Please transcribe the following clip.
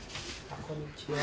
こんにちは。